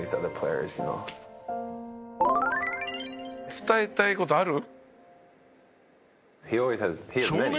「伝えたい事ある？」